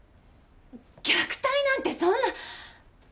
虐待なんてそんな！